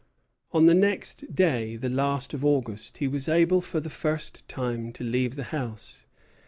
On the next day, the last of August, he was able for the first time to leave the house.